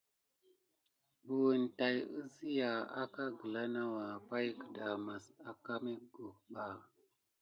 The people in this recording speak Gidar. Bukine tay kizikia aka gəla nawua pay gedamase àka mekok ɓa.